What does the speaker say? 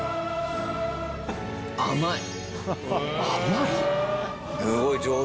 甘い？